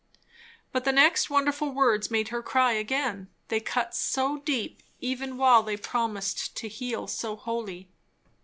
But the next wonderful words made her cry again. They cut so deep, even while they promised to heal so wholly.